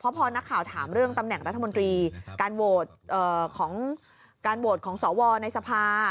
เพราะพอนักข่าวถามเรื่องตำแหน่งรัฐมนตรีการโหวตของสวในสภา